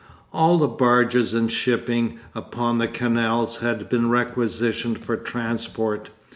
All the barges and shipping upon the canals had been requisitioned for transport.